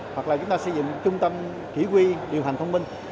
hoặc là chúng ta xây dựng trung tâm chỉ quy điều hành thông minh